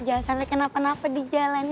jangan sampai kenapa napa di jalan